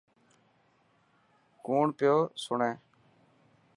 ڪونڻ پيو سڻي.